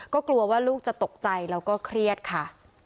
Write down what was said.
ก็กลัวว่าลูกจะตกใจแล้วก็เครียดค่ะ